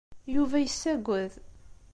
Yuba yessagad.